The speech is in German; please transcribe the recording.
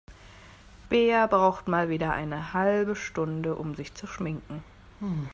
Bea braucht mal wieder eine halbe Stunde, um sich zu schminken.